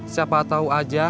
siapa tau aja